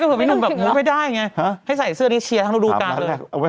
ก็แบบพี่หนุ่มหัวไม่ได้ไงให้ใส่เสื้อนี้เชียร์ทั้งลูกการเลย